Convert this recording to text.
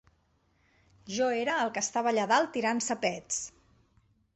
Jo era el que estava allà dalt tirant-se pets.